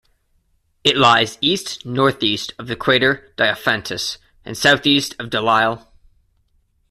It lies east-northeast of the crater Diophantus, and southeast of Delisle.